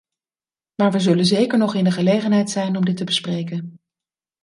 Maar we zullen zeker nog in de gelegenheid zijn om dit te bespreken.